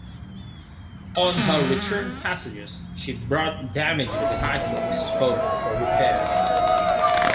On her return passages, she brought damaged vehicles home for repair.